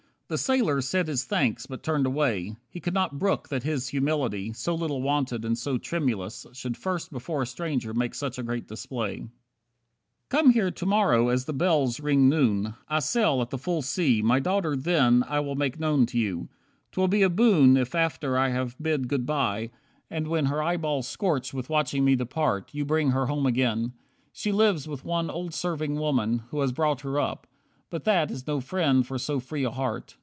The sailor said his thanks, but turned away. He could not brook that his humility, So little wonted, and so tremulous, Should first before a stranger make such great display. 19 "Come here to morrow as the bells ring noon, I sail at the full sea, my daughter then I will make known to you. 'Twill be a boon If after I have bid good by, and when Her eyeballs scorch with watching me depart, You bring her home again. She lives with one Old serving woman, who has brought her up. But that is no friend for so free a heart.